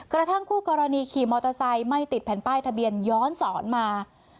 กระทั่งคู่กรณีขี่มอเตอร์ไซค์ไม่ติดแผ่นป้ายทะเบียนย้อนสอนมา